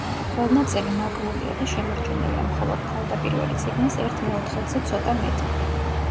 ხელნაწერი ნაკლულია და შემორჩენილია მხოლოდ თავდაპირველი წიგნის ერთ მეოთხედზე ცოტა მეტი.